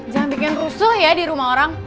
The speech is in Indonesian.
jangan bikin rusuh ya di rumah orang